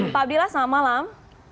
pak abdillah selamat malam